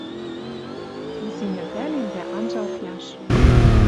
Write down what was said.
Изим элтӓлен дӓ анжа окняш.